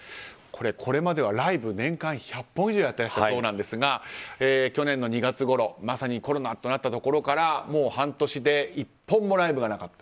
これまではライブ年間１００本以上やってらしたそうなんですが去年の２月ごろまさにコロナとなったところから半年で１本もライブがなかった。